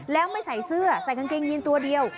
แล้วไม่ใส่เสื้อใส่กางเกงยีนตัวเดียว